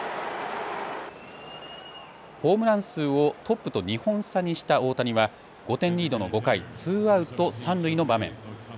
ホームラン数をトップと２本差にした大谷は５点リードの５回、ツーアウト三塁の場面。